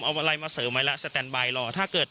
เอาอะไรมาเสริมไว้แล้วสแตนบายรอถ้าเกิด